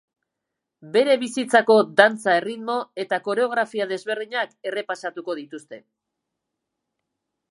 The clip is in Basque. Bere bizitzako dantza erritmo eta koreografia desberdinak errepasatuko dituzte.